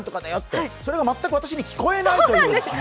それが全く私に聞こえないというね。